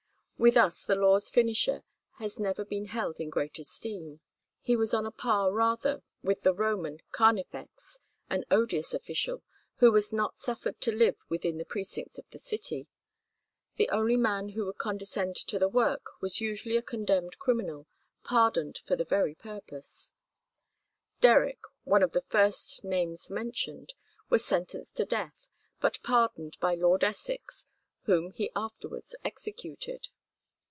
With us the law's finisher has never been held in great esteem. He was on a par rather with the Roman carnifex, an odious official, who was not suffered to live within the precincts of the city. The only man who would condescend to the work was usually a condemned criminal, pardoned for the very purpose. Derrick, one of the first names mentioned, was sentenced to death, but pardoned by Lord Essex, whom he afterwards executed.